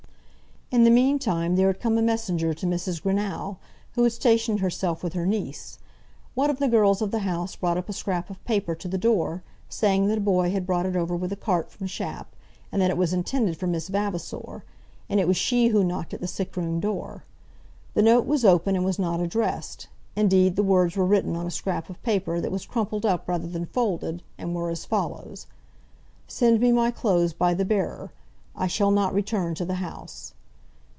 In the meantime there had come a messenger to Mrs. Greenow, who had stationed herself with her niece. One of the girls of the house brought up a scrap of paper to the door, saying that a boy had brought it over with a cart from Shap, and that it was intended for Miss Vavasor, and it was she who knocked at the sickroom door. The note was open and was not addressed; indeed, the words were written on a scrap of paper that was crumpled up rather than folded, and were as follows: "Send me my clothes by the bearer. I shall not return to the house."